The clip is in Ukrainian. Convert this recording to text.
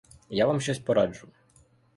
Я вам щось пораджу.